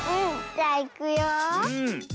じゃあいくよ。